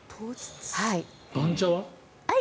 番茶は？